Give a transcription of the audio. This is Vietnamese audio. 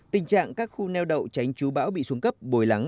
tình trạng các khu neo đậu tránh chú bão bị xuống cấp bồi lắng